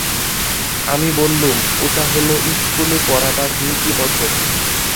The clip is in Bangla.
আমি বললুম, ওটা হল ইস্কুলে পড়াবার নীতিবচন।